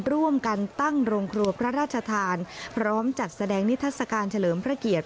ร่วมกันตั้งโรงครัวพระราชทานพร้อมจัดแสดงนิทัศกาลเฉลิมพระเกียรติ